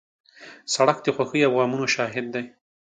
سړک د خوښۍ او غمونو شاهد دی.